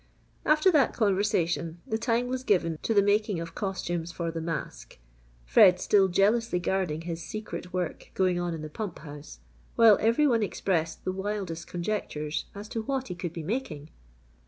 After that conversation, the time was given to the making of costumes for the masque, Fred still jealously guarding his secret work going on in the pump house while every one expressed the wildest conjectures as to what he could be making!